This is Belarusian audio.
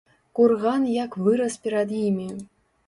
Курган як вырас перад імі.